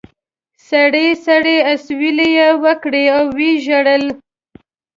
سړې سړې اسوېلې یې وکړې او و یې ژړل.